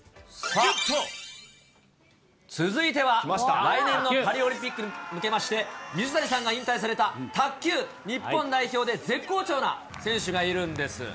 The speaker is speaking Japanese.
続いては来年のパリオリンピックに向けまして、水谷さんが引退された卓球日本代表で、絶好調な選手がいるんです。